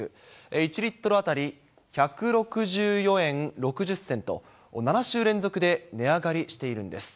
１リットル当たり１６４円６０銭と７週連続で値上がりしているんです。